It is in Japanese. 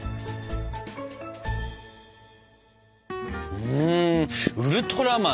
うんウルトラマン